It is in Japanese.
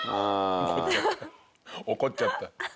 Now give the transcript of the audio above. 怒っちゃった。